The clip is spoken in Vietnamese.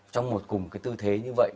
trong một cùng cái tư thế như vậy